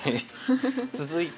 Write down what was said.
続いて。